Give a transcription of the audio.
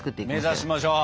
目指しましょう。